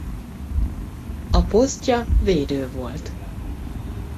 A posztja védő volt.